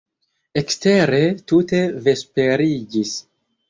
Ekstere tute vesperiĝis.